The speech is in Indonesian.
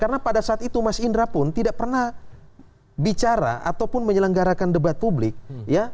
karena pada saat itu mas indra pun tidak pernah bicara ataupun menyelenggarakan debat publik ya